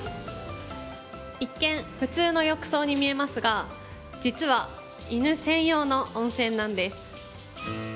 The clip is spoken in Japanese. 一見、普通の浴槽に見えますが実は犬専用の温泉なんです。